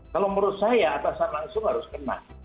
kalau menurut saya atasan langsung harus kena